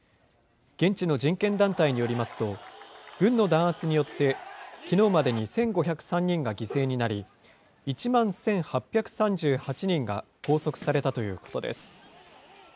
現地の人権団体によりますと、軍の弾圧によって、きのうまでに１５０３人が犠牲になり、１万１８３８人が拘束されたということです。